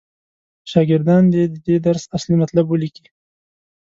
شاګردان دې د دې درس اصلي مطلب ولیکي.